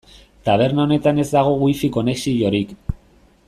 Taberna honetan ez dago Wi-Fi konexiorik.